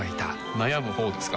悩むほうですか？